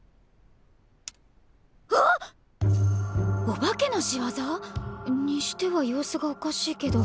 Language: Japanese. お化けのしわざ？にしては様子がおかしいけど。